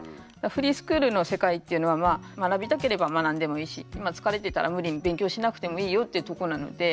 フリースクールの世界っていうのはまあ学びたければ学んでもいいし疲れてたら無理に勉強しなくてもいいよっていうとこなので。